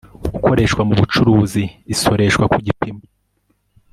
ukoreshwa mu bucuruzi isoreshwa ku gipimo